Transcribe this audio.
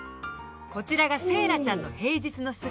こちらがセーラちゃんの平日の姿。